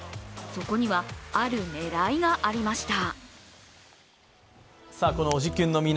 そこには、ある狙いがありました。